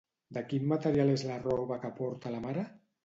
De quin material és la roba que porta la mare?